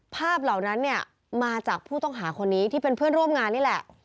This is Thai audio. เหล่านั้นเนี่ยมาจากผู้ต้องหาคนนี้ที่เป็นเพื่อนร่วมงานนี่แหละ